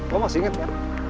lo masih inget kan